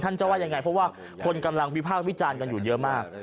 จะว่ายังไงเพราะว่าคนกำลังวิภาควิจารณ์กันอยู่เยอะมาก